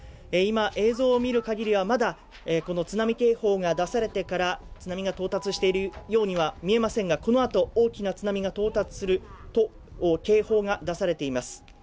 今、映像を見る限りはまだこの津波警報が出されてから津波が到達しているようには見えませんがこの後、大きな津波が到達すると警報が出されています。